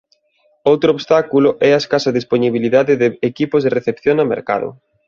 Outro obstáculo é a escasa dispoñibilidade de equipos de recepción no mercado.